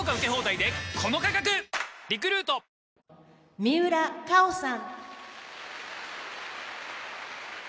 三浦佳生さん。